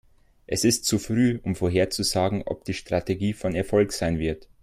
Es ist zu früh, um vorherzusagen, ob die Strategie von Erfolg sein wird.